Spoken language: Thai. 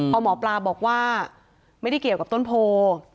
พอหมอปลาบอกว่าไม่ได้เกี่ยวกับต้นโพ